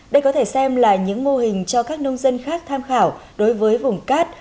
đây có thể xem là những mô hình cho các nông dân khác tham khảo đối với vùng cát